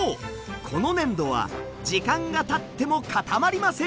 この粘土は時間がたっても固まりません。